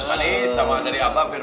manis sama dari abah hampir empat puluh